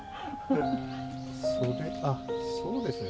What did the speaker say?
それあそうですね。